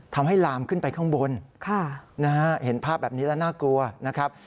ลามขึ้นไปข้างบนเห็นภาพแบบนี้แล้วน่ากลัวนะครับ